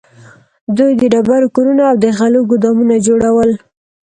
دوی د ډبرو کورونه او د غلو ګودامونه جوړول.